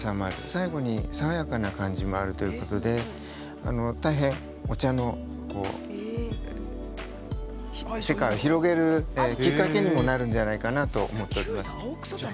最後に爽やかな感じもあるということで大変、お茶の世界を広げるきっかけにもなると思っています。